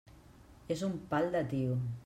És un pal de tio.